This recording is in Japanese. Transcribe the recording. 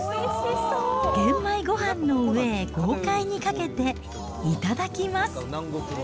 玄米ごはんの上へ豪快にかけて頂きます。